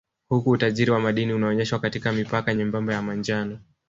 Huku utajiri wa madini unaonyeshwa katika mipaka nyembamba ya manjano